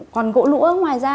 còn gỗ lũa ngoài ra